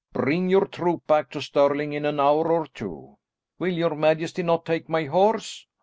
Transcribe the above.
Bring your troop back to Stirling in an hour or two." "Will your majesty not take my horse?"